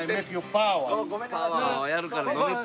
パワーをやるから飲めと。